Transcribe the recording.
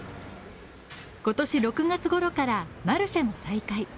今年６月ごろから、マルシェの再開。